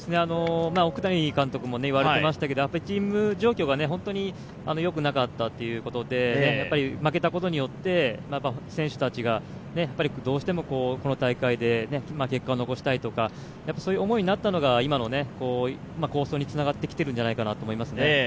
奥谷監督も言われていましたけれども、チーム状況が本当によくなかったということで負けたことによって、選手たちがどうしてもこの大会で結果を残したいとかそういう思いになったのが、今の好走につながってきているんじゃないかと思います。